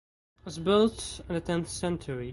It was built in the tenth century.